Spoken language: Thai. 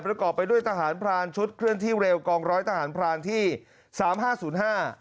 ประกอบไปด้วยทหารพรานชุดเคลื่อนที่เร็วกองร้อยทหารพรานที่สามห้าศูนย์ห้า